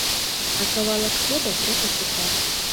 А кавалак хлеба трэба шукаць.